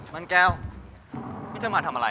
มันแก้วพี่จะมาทำอะไร